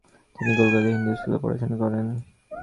তিনি কলকাতার হিন্দু স্কুলে পড়াশুনা করেন।